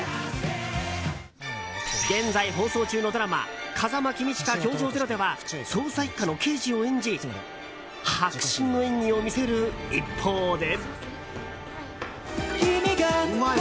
現在、放送中のドラマ「風間公親‐教場０‐」では捜査１課の刑事を演じ迫真の演技を見せる一方で。